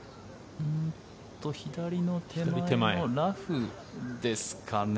左の手前のラフですかね。